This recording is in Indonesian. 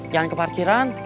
jangan ke parkiran